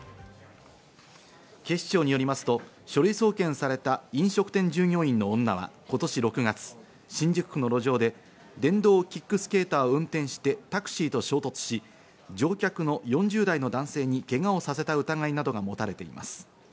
警視庁によりますと、書類送検された飲食店従業員の女は今年６月、新宿区の路上で電動キックスケーターを運転してタクシーと衝突し、乗客の４０代の男性にけがをさせた疑いなどが持たれています。